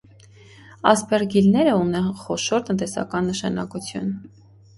Ասպերգիլները ունեն խոոշոր տնտեսական նշանակություն։